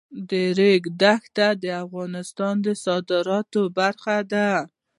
د ریګ دښتې د افغانستان د صادراتو برخه ده.